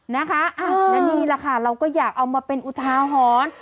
นานนี้แหละค่ะเราก็อยากเอามาเป็นอุทาฮร